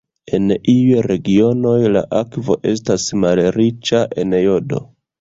En iuj regionoj la akvo estas malriĉa en jodo.